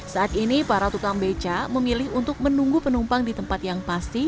saat ini para tukang beca memilih untuk menunggu penumpang di tempat yang pasti